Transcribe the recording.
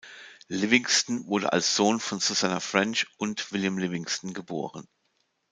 Livingston wurde als Sohn von Susanna French und William Livingston geboren.